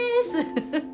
フフフ